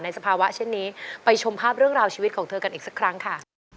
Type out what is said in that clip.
สภาวะเช่นนี้ไปชมภาพเรื่องราวชีวิตของเธอกันอีกสักครั้งค่ะ